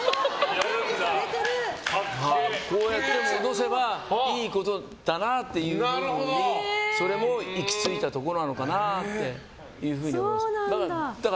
こう戻せばいいことだなっていうふうにそれも行き着いたところなのかなっていうふうに思います。